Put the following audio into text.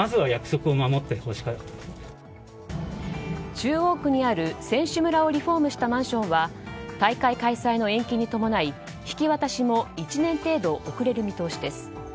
中央区にある、選手村をリフォームしたマンションは大会開催の延期に伴い引き渡しも１年程度遅れる見通しです。